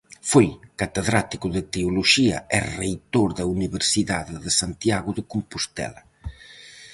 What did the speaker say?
Foi catedrático de Teoloxía e reitor da Universidade de Santiago de Compostela.